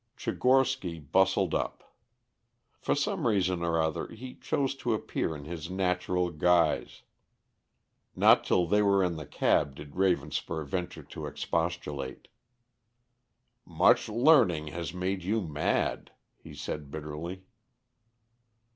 Tchigorsky bustled up. For some reason or other he chose to appear in his natural guise. Not till they were in the cab did Ravenspur venture to expostulate. "Much learning has made you mad," he said bitterly.